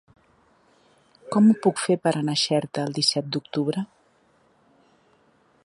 Com ho puc fer per anar a Xerta el disset d'octubre?